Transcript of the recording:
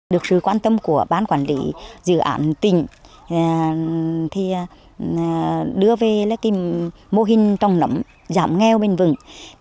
được sự quan tâm của bán quản lý dự án tỉnh đưa về mô hình trồng nấm giảm nghèo bên vùng